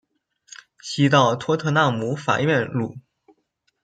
西到托特纳姆法院路。